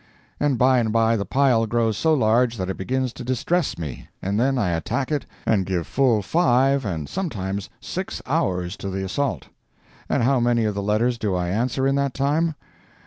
And by and by the pile grows so large that it begins to distress me, and then I attack it and give full five and sometimes six hours to the assault. And how many of the letters do I answer in that time?